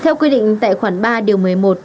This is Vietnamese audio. theo quy định tại khoản ba điều một mươi một